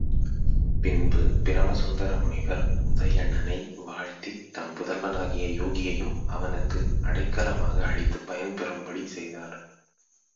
பின்பு பிரமசுந்தர முனிவர் உதயணனை வாழ்த்தித் தம் புதல்வனாகிய யூகியையும் அவனுக்கு அடைக்கலமாக அளித்துப் பயன் பெறும்படி செய்தார்.